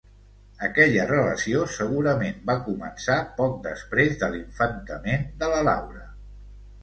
Aquella relació segurament va començar poc després de l’infantament de la Laura.